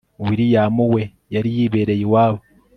william we yari yibereye iwabo